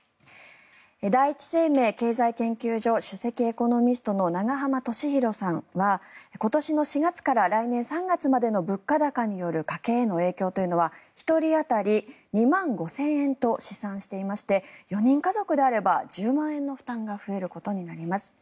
第一生命経済研究所首席エコノミストの永濱利廣さんは今年の４月から来年３月までの物価高による家計への影響というのは１人当たり２万５０００円と試算していまして４人家族であれば１０万円の負担が増えることになります。